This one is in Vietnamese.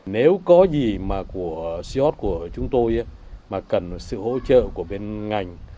nếu có gì mà của ceos của chúng tôi mà cần sự hỗ trợ của bên ngành